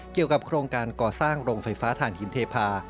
เกี่ยวกับโครงการก่อสร้างโรงไฟฟ้าฐานหินเทพา